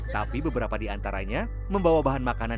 tapi beberapa di antaranya membawa bahan makanan